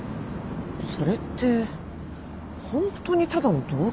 それってホントにただの同居人か？